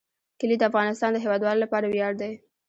کلي د افغانستان د هیوادوالو لپاره ویاړ دی.